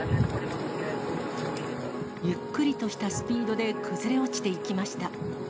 ゆっくりとしたスピードで崩れ落ちていきました。